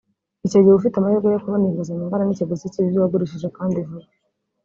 icyo gihe uba ufite amahirwe yo kubona inguzanyo ingana n’ikiguzi cy’ibyo wagurishije kandi vuba